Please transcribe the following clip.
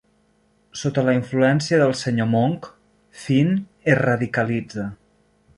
Sota la influència del senyor Monk, Finn es radicalitza.